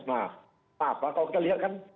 nah apa kalau kita lihat kan